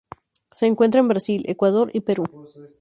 Se encuentra en Brasil, Ecuador y Perú.